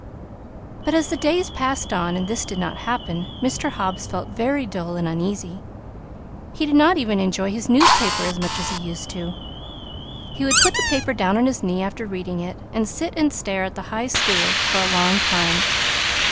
But as the days passed on and this did not happen, Mr. Hobbs felt very dull and uneasy. He did not even enjoy his newspaper as much as he used to. He would put the paper down on his knee after reading it, and sit and stare at the high stool for a long time.